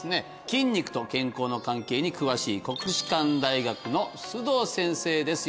筋肉と健康の関係に詳しい国士舘大学の須藤先生です